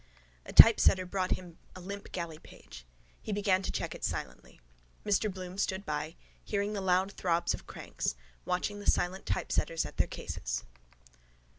A typesetter brought him a limp galleypage. He began to check it silently. Mr Bloom stood by, hearing the loud throbs of cranks, watching the silent typesetters at their cases.